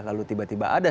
lalu tiba tiba ada